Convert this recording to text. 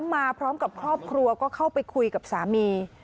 มาพร้อมกับครอบครัวก็เข้าไปคุยกับสามี